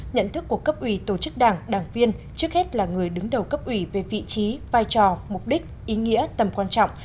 nhận thức của cấp ủy tổ chức đảng đảng viên trước hết là người đứng đầu cấp ủy về vị trí vai trò mục đích ý nghĩa tầm quan trọng